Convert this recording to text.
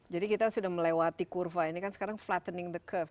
jadi kita sudah melewati kurva ini kan sekarang flattening the curve